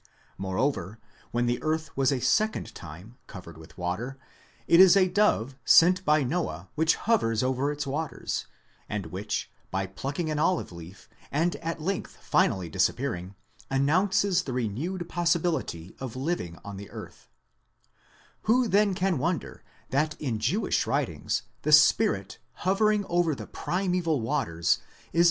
Moreover, when the earth was a second time covered with water, it is a dove, sent by Noah, which hovers over its waves, and which, by pluck ing an olive leaf, and at length finally disappearing, announces the renewed possibility of living on the earth Who then can wonder that in Jewish writings, the Spirit hovering over the primeval waters is expressly compared to a dove